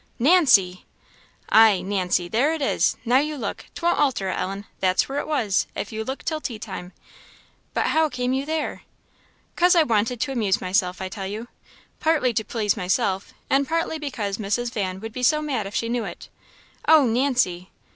"Nancy!" "Ay, Nancy! there it is. Now you look! 'Twon't alter it, Ellen; that's where it was, if you look till tea time." "But how came you there?" " 'Cause I wanted to amuse myself, I tell you. Partly to please myself, and partly because Mrs. Van would be so mad if she knew it." "Oh, Nancy!"